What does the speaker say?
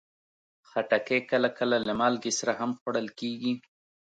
خټکی کله کله له مالګې سره هم خوړل کېږي.